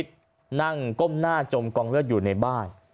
นั่งก้มหน้าจมกองเลือดอยู่ในบ้าน